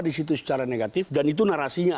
di situ secara negatif dan itu narasinya